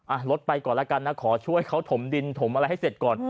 รถไปก่อนแล้วกันนะขอช่วยเขาถมดินถมอะไรให้เสร็จก่อน